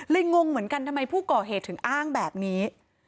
งงเหมือนกันทำไมผู้ก่อเหตุถึงอ้างแบบนี้